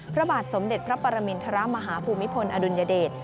พระบาทสมเด็จพระปรมินทรมาฮภูมิพลอดุลยเดช